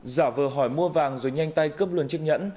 giả vờ hỏi mua vàng rồi nhanh tay cướp luận chức nhẫn